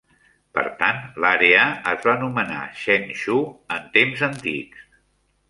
Per tant, l'àrea es va anomenar "Chen Chu" en temps antics.